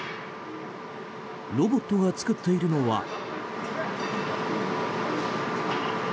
ロボットが作っているのは。